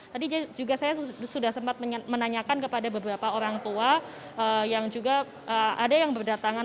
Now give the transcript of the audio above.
tadi juga saya sudah sempat menanyakan kepada beberapa orang tua yang juga ada yang berdatangan